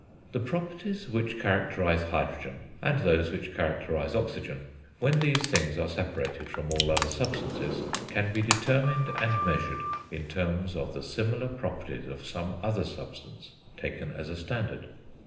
The properties which characterise hydrogen, and those which characterise oxygen, when these things are separated from all other substances, can be determined and measured in terms of the similar properties of some other substance taken as a standard.